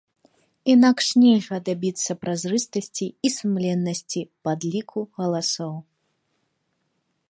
Інакш нельга дабіцца празрыстасці і сумленнасці падліку галасоў.